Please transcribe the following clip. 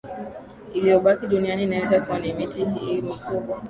iliyobaki duniani inaweza kuwa na miti hii mikubwa